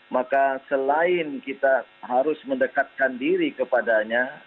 maka selain kita harus mendekatkan diri kepadanya